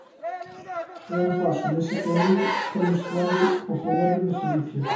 É un paso nese camiño que estamos dando o Goberno de Galicia.